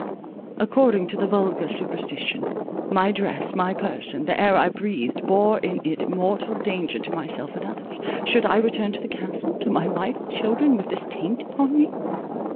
According to the vulgar superstition, my dress, my person, the air I breathed, bore in it mortal danger to myself and others. Should I return to the Castle, to my wife and children, with this taint upon me?